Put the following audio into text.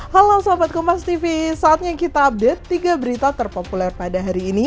halo sahabat kompastv saatnya kita update tiga berita terpopuler pada hari ini